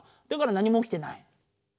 だから何もおきてない。